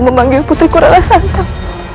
memanggil putriku rara santan